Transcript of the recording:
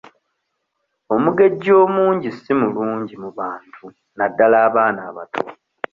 Omugejjo omungi si mulungi mu bantu naddala abaana abato.